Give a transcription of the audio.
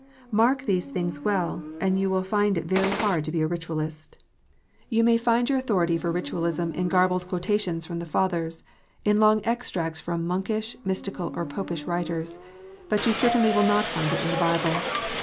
Mark these things well, and you will find it very hard to be a Ritualist ! You may find your authority DIVERS AND STRANGE DOCTRINES. 353 for Ritualism in garbled quotations from the Fathers, in long extracts from monkish, mystical, or Popish writers ; but you certainly will not find it in the Bible.